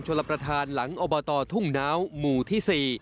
รับประทานหลังอบตทุ่งน้าวหมู่ที่๔